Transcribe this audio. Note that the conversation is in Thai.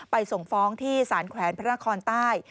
ส่งฟ้องที่สารแขวนพระนครใต้